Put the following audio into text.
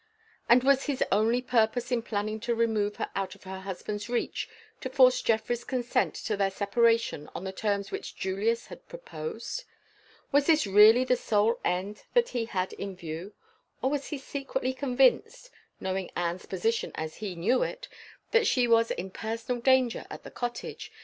and was his only purpose in planning to remove her out of her husband's reach, to force Geoffrey's consent to their separation on the terms which Julius had proposed? Was this really the sole end that he had in view? or was he secretly convinced (knowing Anne's position as he knew it) that she was in personal danger at the cottage?